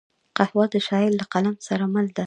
قهوه د شاعر له قلم سره مل ده